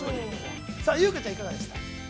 さあ、ゆうかちゃん、いかがでしたか。